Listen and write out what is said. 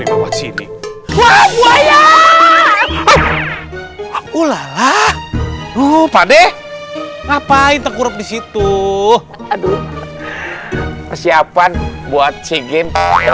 waw buaya lupa deh ngapain tengkurap disitu aduh persiapan buat cingin